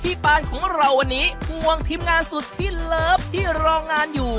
ปานของเราวันนี้ห่วงทีมงานสุดที่เลิฟที่รองานอยู่